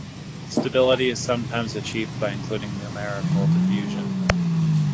Stability is sometimes achieved by including numerical diffusion.